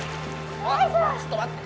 あっちょっと待って。